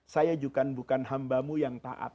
saya juga bukan hambamu yang tak atas